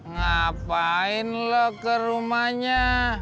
ngapain lo ke rumahnya